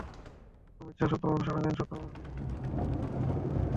অমিত শাহ শুক্রবার ঘোষণা দেন, এবার বিজেপির দ্বিতীয় অভিযান শুরু হয়েছে।